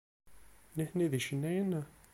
Nitni d icennayen?